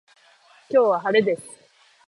今日は晴れです